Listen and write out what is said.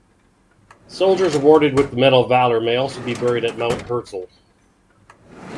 Soldiers awarded with the Medal of Valor may also be buried at Mount Herzl.